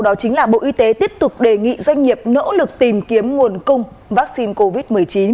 đó chính là bộ y tế tiếp tục đề nghị doanh nghiệp nỗ lực tìm kiếm nguồn cung vaccine covid một mươi chín